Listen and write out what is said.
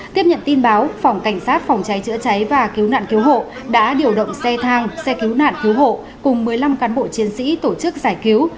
tiếp nhận tin báo phòng cảnh sát phòng cháy chữa cháy và cứu nạn cứu hộ đã điều động xe thang xe cứu nạn cứu hộ cùng một mươi năm cán bộ chiến sĩ tổ chức giải cứu